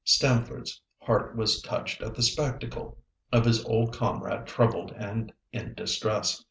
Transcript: Stamford's heart was touched at the spectacle of his old comrade troubled and in distress.